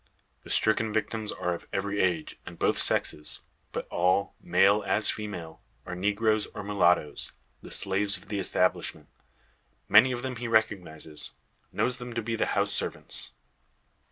The stricken victims are of every age, and both sexes. But all, male as female, are negroes or mulattoes the slaves of the establishment. Many of them he recognises; knows them to be the house servants.